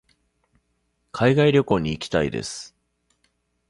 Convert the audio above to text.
海外旅行に行きたいです。